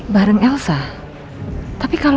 mama gak suka